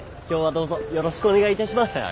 今日はどうぞよろしくお願いいたします！